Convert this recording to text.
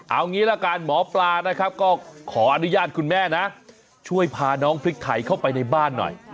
เอางี้ละกันหมอปลานะครับก็ขออนุญาตคุณแม่นะช่วยพาน้องพริกไทยเข้าไปในบ้านหน่อย